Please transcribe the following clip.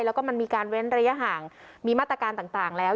แล้วก็มันมีการเว้นระยะห่างมีมาตรการต่างแล้ว